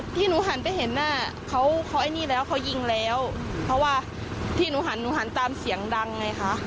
ที่หนูหันไปเห็นเขายิงแล้วเพราะว่าที่หนูหันตามเสียงดังไงค่ะ